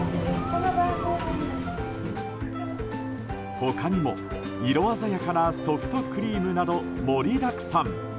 他にも、色鮮やかなソフトクリームなど盛りだくさん。